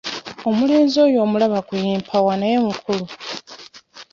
Omulenzi oyo omulaba kuyimpawa naye mukulu.